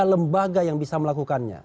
lembaga yang bisa melakukannya